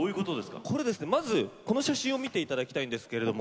まず、この写真を見ていただきたいんですけど。